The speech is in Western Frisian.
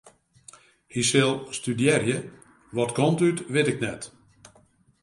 Hy sil studearje, wat kant út wit ik net.